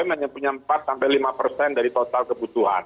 menyempunyai empat sampai lima persen dari total kebutuhan